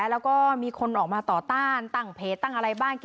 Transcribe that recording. แล้วก็มีคนออกมาต่อต้านตั้งเพจตั้งอะไรบ้าง